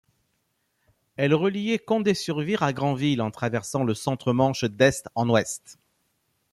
Elle reliait Condé-sur-Vire à Granville en traversant le centre Manche d'est en ouest.